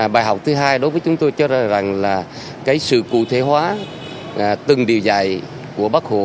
bài học thứ hai đối với chúng tôi cho rằng là cái sự cụ thể hóa từng điều dạy của bác hồ